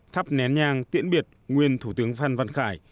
thắp nén nhang tiễn biệt nguyên thủ tướng phan văn khải